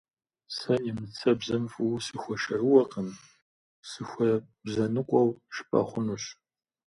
Сэ нэмыцэбзэм фӏыуэ сыхуэшэрыуэкъым, сыхуэбзэныкъуэу жыпӏэ хъунущ.